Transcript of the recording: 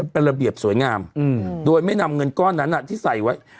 เป็นระเบียบสวยงามโดยไม่นำเงินก้อนนั้นที่ใส่ไว้